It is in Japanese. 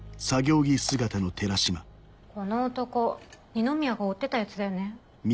この男二宮が追ってたヤツだよね？